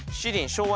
「昭和」。